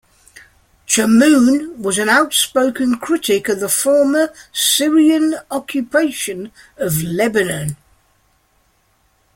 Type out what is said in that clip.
Chamoun was an outspoken critic of the former Syrian occupation of Lebanon.